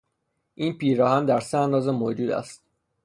این پیراهن در سه اندازه موجود است.